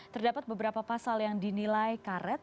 terdapat beberapa pasal yang dinilai karet